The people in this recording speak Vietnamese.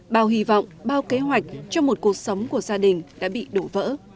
bao hy vọng bao kế hoạch cho một cuộc sống của gia đình đã bị đổ vỡ